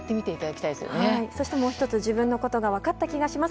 もう１つ自分のことが分かった気がします。